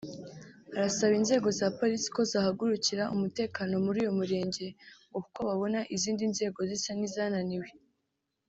Arasaba inzego za Polisi ko zahagurukira Umutekano muri uyu murenge ngo kuko babona izindi nzego zisa nizananiwe